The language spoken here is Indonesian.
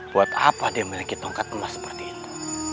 buat apa dia memiliki tongkat emas seperti itu